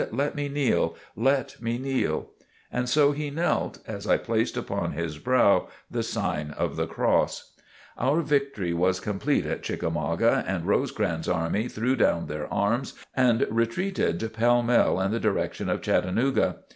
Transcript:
"Let me kneel; let me kneel." And so he knelt, as I placed upon his brow the sign of the cross. Our victory was complete at Chickamauga and Rosecrans' army threw down their arms and retreated pell mell in the direction of Chattanooga.